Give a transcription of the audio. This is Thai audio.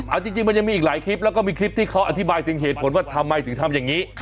เอาจริงมันยังมีอีกหลายคลิปแล้วก็มีคลิปที่เขาอธิบายถึงเหตุผลว่าทำไมถึงทำอย่างนี้